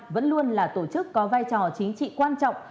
vẫn luôn là tổ chức có vai trò chính trị quan trọng